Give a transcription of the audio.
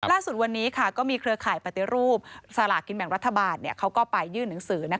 ล่าสุดวันนี้ก็มีเครือข่ายปฏิรูปสลากินแบ่งรัฐบาลเขาก็ไปยื่นหนังสือ